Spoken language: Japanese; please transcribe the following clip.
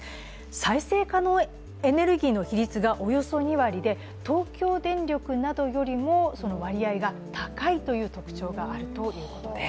再生可能エネルギーの比率がおよそ２割で東京電力などよりも、その割合が高いという特徴があるということです。